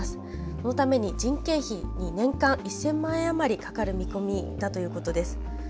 そのために人件費に年間１０００万円余りかかる見込みだということです。